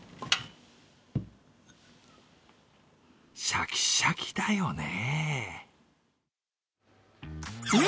シャキシャキだよね。